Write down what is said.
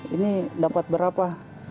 ini dapat berapa